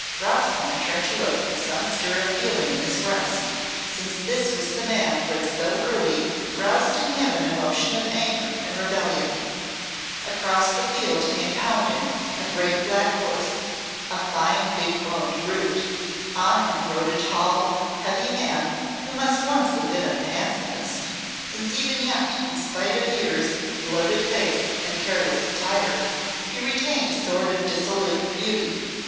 Roxholm turned to look with some stir of feeling in his breast, since this was the man who had so early roused in him an emotion of anger and rebellion. Across the field came pounding a great black horse, a fine big boned brute; on him rode a tall, heavy man who must once have been of the handsomest, since even yet, in spite of years, bloated face, and careless attire, he retained a sort of dissolute beauty.